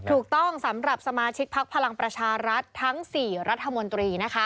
ถูกต้องสำหรับสมาชิกภักดิ์พลังประชารัฐทั้ง๔รัฐมนตรี